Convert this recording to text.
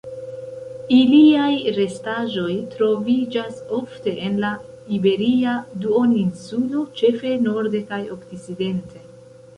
Iliaj restaĵoj troviĝas ofte en la Iberia Duoninsulo ĉefe norde kaj okcidente.